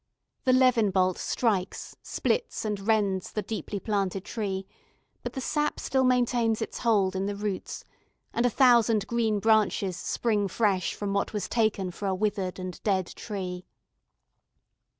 The levin bolt strikes, splits, and rends the deeply planted tree; but the sap still maintains its hold in the roots, and a thousand green branches spring fresh from what was taken for a withered and dead tree.